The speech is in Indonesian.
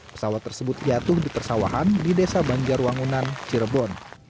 pesawat tersebut jatuh di persawahan di desa banjarwangunan cirebon